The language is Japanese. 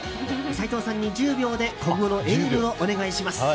齋藤さんに１０秒で今後のエールをお願いします。